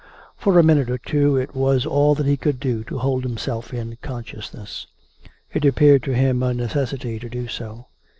For a minute or two it was all that he could do to hold himself in consciousness. It appeared to him a necessity to do so.